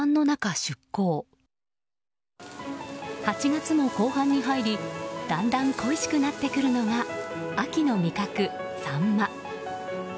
８月も後半に入りだんだん恋しくなってくるのが秋の味覚サンマ。